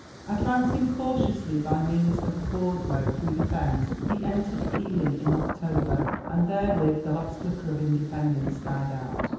Advancing cautiously by means of a causeway through the fens, he entered Ely in October, and therewith the last flicker of independence died out.